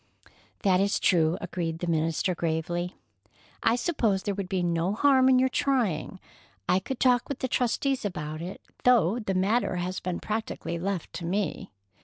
"That is true," agreed the minister gravely. "I suppose there would be no harm in your trying. I could talk with the trustees about it, though the matter has been practically left to me."